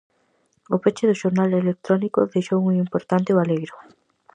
O peche do xornal electrónico deixou un importante baleiro.